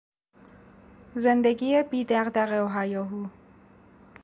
زندگی بی دغدغه و هیاهو